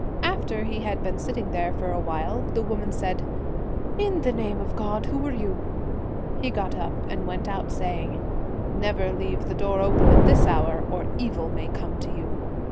After he had been sitting there for a while, the woman said, 'In the name of God, who are you?' He got up and went out, saying, ' Never leave the door open at this hour, or evil may come to you.'